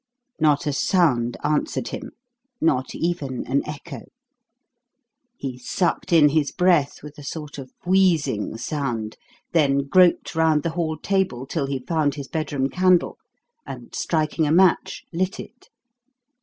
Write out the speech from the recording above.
Not a sound answered him, not even an echo. He sucked in his breath with a sort of wheezing sound, then groped round the hall table till he found his bedroom candle, and, striking a match, lit it.